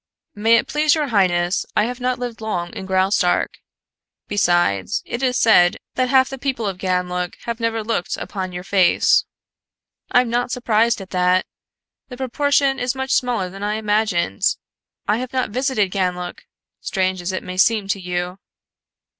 "May it please your highness, I have not lived long in Graustark. Besides, it is said that half the people of Ganlook have never looked upon your face." "I'm not surprised at that. The proportion is much smaller than I imagined. I have not visited Ganlook, strange as it may seem to you."